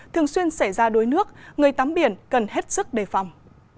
thường xuyên xảy ra đuối nước người tắm biển cần hết sức đề phòng